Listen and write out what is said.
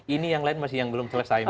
ini yang lain masih yang belum selesai mas